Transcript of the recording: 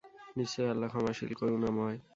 নিশ্চয় আল্লাহ ক্ষমাশীল, করুনাময়।